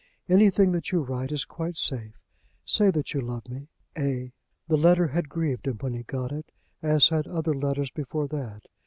Anything that you write is quite safe. Say that you love me. A." The letter had grieved him when he got it, as had other letters before that.